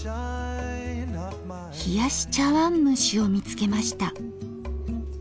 冷やし茶わんむしを見つけました。